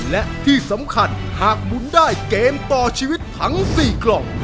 และที่สำคัญหากหมุนได้เกมต่อชีวิตทั้ง๔กล่อง